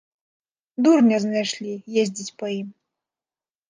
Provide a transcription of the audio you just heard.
Дурня знайшлі, ездзіць па ім!